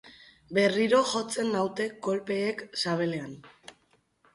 Berriro jotzen naute kolpeek sabelean.